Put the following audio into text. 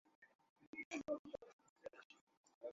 আমরা ও-সবের কিছু জানি না।